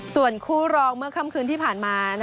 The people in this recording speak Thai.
ส่วนคู่รองเมื่อค่ำคืนที่ผ่านมา